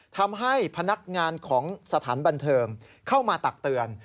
ทำให้พนักงานของสถานบันเทิงเข้ามาตักเตือน